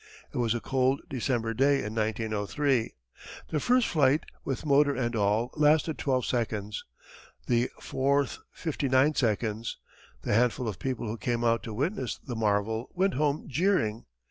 It was a cold December day in 1903. The first flight, with motor and all, lasted twelve seconds; the fourth fifty nine seconds. The handful of people who came out to witness the marvel went home jeering.